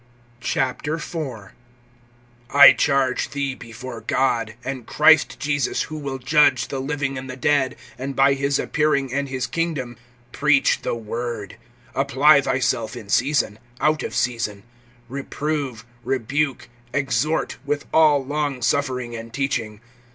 IV. I CHARGE thee before God, and Christ Jesus who will judge the living and the dead, and by his appearing and his kingdom, (2)preach the word; apply thyself in season, out of season; reprove, rebuke, exhort, with all long suffering and teaching.